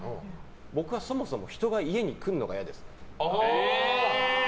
僕はそもそも人が家に来るのが嫌です。